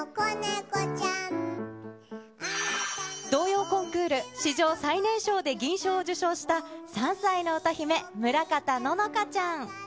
童謡コンクール、史上最年少で銀賞を受賞した３歳の歌姫、村方乃々佳ちゃん。